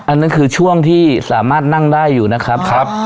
นั่นคือช่วงที่สามารถนั่งได้อยู่นะครับ